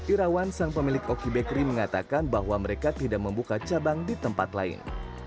irawan sang pemilik oki bakery mengatakan bahwa mereka tidak membuka cabang di tempat lain